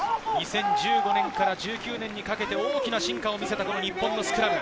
２０１５年から１９年にかけて、大きな進化を見せた日本のスクラム。